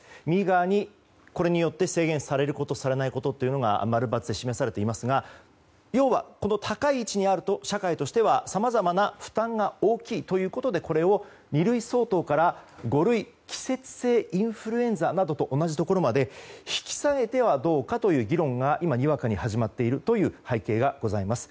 右側にこれによって制限されること、されないことが〇×で示されていますが要は高い位置にあると社会としては、さまざまな負担が大きいということでこれを二類相当から五類季節性インフルエンザなどと同じところまで引き下げてはどうかという議論が今にわかに始まっているという背景がございます。